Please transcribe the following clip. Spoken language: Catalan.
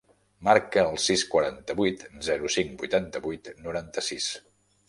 Marca el sis, quaranta-vuit, zero, cinc, vuitanta-vuit, noranta-sis.